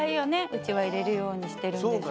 うちはいれるようにしてるんです。